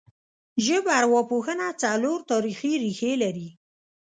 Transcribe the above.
ژبارواپوهنه څلور تاریخي ریښې لري